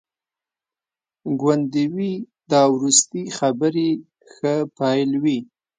ګوندي وي دا وروستي خبري ښه پیل وي.